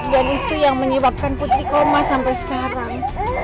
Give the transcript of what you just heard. dan itu yang menyebabkan putri koma sampai sekarang